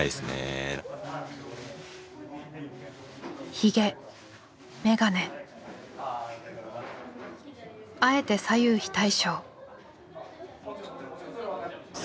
ひげ眼鏡あえて左右非対称。